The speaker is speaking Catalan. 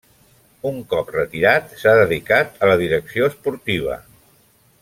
Un cop retirat, s'ha dedicat a la direcció esportiva.